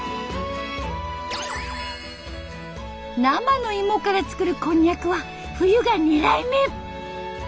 生の芋から作るこんにゃくは冬が狙い目。